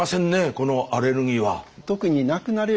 このアレルギーは。